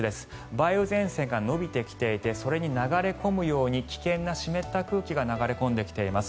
梅雨前線が延びてきていてそれに流れ込むように危険な湿った空気が流れ込んできています。